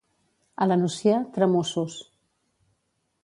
A la Nucia, tramussos.